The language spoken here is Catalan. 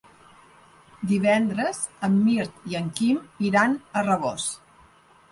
Divendres en Mirt i en Quim iran a Rabós.